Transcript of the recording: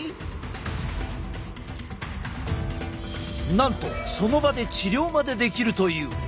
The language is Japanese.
なんとその場で治療までできるという。